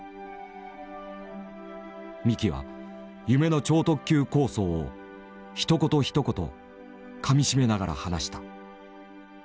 三木は夢の超特急構想をひと言ひと言かみしめながら話した。